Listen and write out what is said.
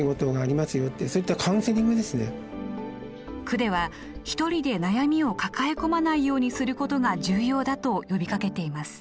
区ではひとりで悩みを抱え込まないようにすることが重要だと呼びかけています。